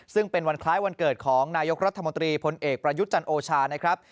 ซึ่งเป็นวันคล้ายวันเกิดของนายกรัฐมนตรีพลเอกประยุทธ์จันทร์โอชานะครับ